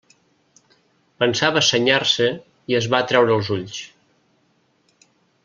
Pensava senyar-se i es va traure els ulls.